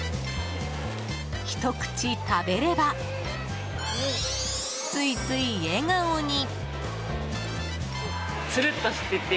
ひと口食べればついつい笑顔に！